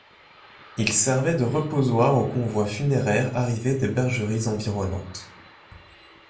Il servait de reposoir aux convois funéraires arrivés des bergeries environnantes.